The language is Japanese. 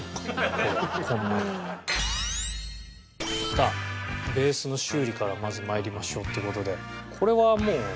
さあベースの修理からまず参りましょうっていう事で。